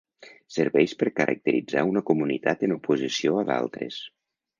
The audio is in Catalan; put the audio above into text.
Serveix per caracteritzar una comunitat en oposició a d'altres.